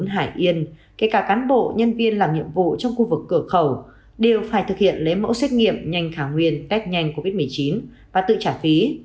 hải yên kể cả cán bộ nhân viên làm nhiệm vụ trong khu vực cửa khẩu đều phải thực hiện lấy mẫu xét nghiệm nhanh thảo nguyên test nhanh covid một mươi chín và tự trả phí